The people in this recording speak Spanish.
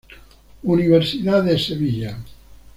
Universidad de Sevilla.